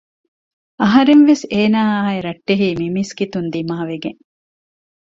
އަހަރެން ވެސް އޭނާއާއި ރައްޓެހީ މި މިސްކިތުން ދިމާ ވެގެން